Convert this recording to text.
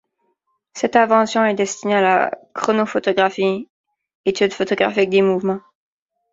Cette invention est destinée à la chronophotographie, étude photographique des mouvements.